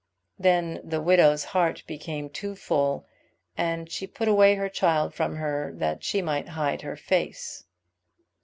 Then the widow's heart became too full, and she put away her child from her that she might hide her face.